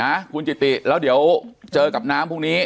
นะคุณจิติแล้วเดี๋ยวเจอกับน้ำพรุ่งนี้